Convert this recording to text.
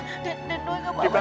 den den boy nggak apa apa den